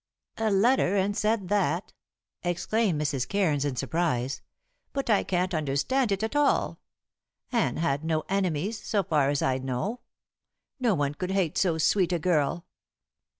"A letter, and said that?" exclaimed Mrs. Cairns in surprise. "But I can't understand it at all. Anne had no enemies, so far as I know. No one could hate so sweet a girl.